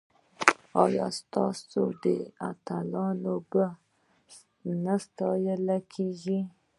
ایا ستاسو اتلان به نه ستایل کیږي؟